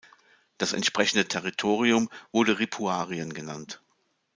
Das entsprechende Territorium wurde Ripuarien genannt.